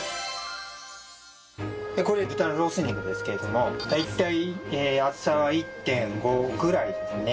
これ豚のロース肉ですけれども大体厚さは１．５ぐらいですね。